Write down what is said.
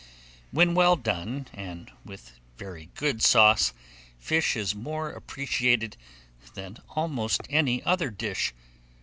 When well done, and with very good sauce, fish is more appreciated than almost any other dish.